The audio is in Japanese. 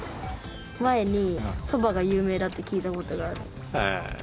前にそばが有名だって聞いた事がある。